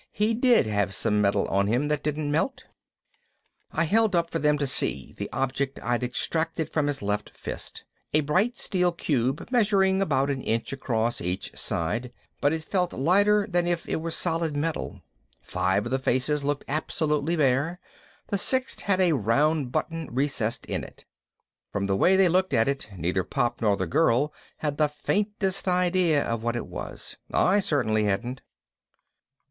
"He did have some metal on him that didn't melt." I held up for them to see the object I'd extracted from his left fist: a bright steel cube measuring about an inch across each side, but it felt lighter than if it were solid metal. Five of the faces looked absolutely bare. The sixth had a round button recessed in it. From the way they looked at it neither Pop nor the girl had the faintest idea of what it was. I certainly hadn't.